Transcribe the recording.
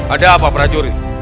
ada apa prajuri